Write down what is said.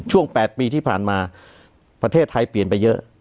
๘ปีที่ผ่านมาประเทศไทยเปลี่ยนไปเยอะ